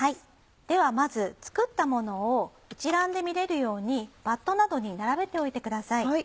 ではまず作ったものを一覧で見れるようにバットなどに並べておいてください。